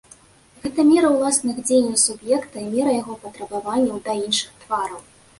Гэта мера ўласных дзеянняў суб'екта і мера яго патрабаванняў да іншых твараў.